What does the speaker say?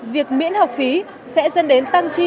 việc miễn học phí sẽ dân đến tăng chi